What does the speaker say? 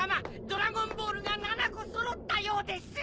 ドラゴンボールが７個揃ったようです！